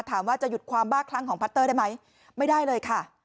ถามว่าจะหยุดความบ้าคลั้งของพัตเตอร์ได้ไหมไม่ได้เลยค่ะ